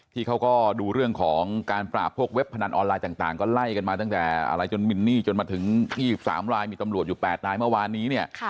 เขาก็ดูเรื่องของการปราบพวกเว็บพนันออนไลน์ต่างก็ไล่กันมาตั้งแต่อะไรจนมินนี่จนมาถึง๒๓รายมีตำรวจอยู่๘นายเมื่อวานนี้เนี่ย